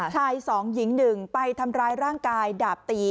ชาย๒หญิง๑ไปทำร้ายร่างกายดาบตี